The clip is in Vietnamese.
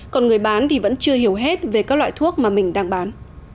còn người bán thì vẫn chưa hiểu hết về các loại thuốc mà mình đang bán